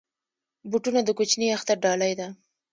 بوټونه د کوچني اختر ډالۍ ده.